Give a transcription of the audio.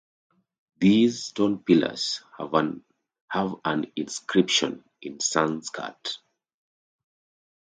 These stone pillars have an inscription in Sanskrit.